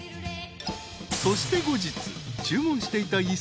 ［そして後日注文していた］